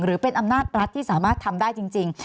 หรือเป็นอำนาจรัฐที่สามารถทำได้จริง